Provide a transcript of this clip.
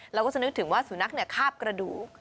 เราก็จะนึกถึงว่าสุนัขคาบกระดูก